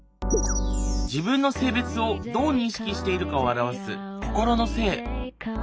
自分の性別をどう認識しているかを表す心の性。